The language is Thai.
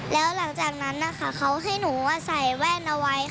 แล้วหลังจากนั้นนะคะเขาให้หนูใส่แว่นเอาไว้